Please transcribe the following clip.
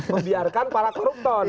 membiarkan para korupton